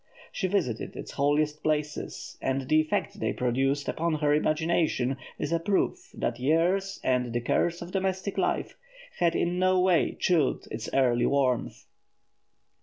She visited its holiest places, and the effect they produced upon her imagination is a proof that years and the cares of domestic life had in no wise chilled its early warmth.